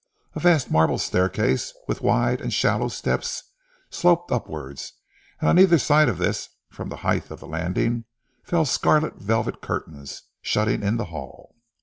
A vast marble staircase with wide and shallow steps, sloped upwards, and on either side of this, from the height of the landing fell scarlet velvet curtains, shutting in the hall.